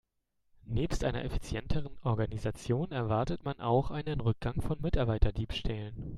Nebst einer effizienteren Organisation erwartet man auch einen Rückgang von Mitarbeiterdiebstählen.